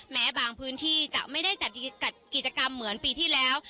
แม้บางพื้นที่จะไม่ได้จัดกิจกรรมเหมือนปีที่แล้ว